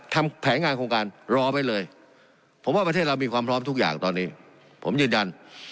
ทำแผนงานโครงการรอไว้เลยผมว่าประเทศเรามีความพร้อมทุกอย่างตอนนี้ผมยืนยัน